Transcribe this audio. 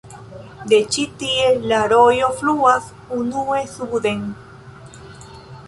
De ĉi-tie la rojo fluas unue suden.